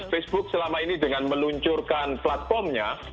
facebook selama ini dengan meluncurkan platformnya